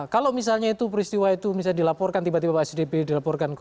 kalau misalnya itu peristiwa itu misalnya dilaporkan tiba tiba pak sdp dilaporkan ke